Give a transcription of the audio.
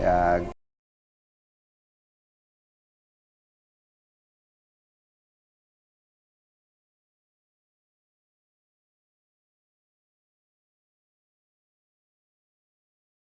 ya orang orang bitsau chris